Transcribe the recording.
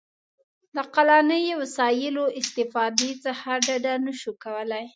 د عقلاني وسایلو استفادې څخه ډډه نه شو کولای.